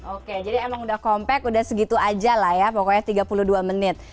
oke jadi emang udah compact udah segitu aja lah ya pokoknya tiga puluh dua menit